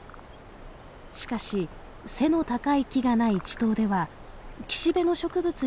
しかし背の高い木がない池塘では岸辺の植物に卵を産み付けます。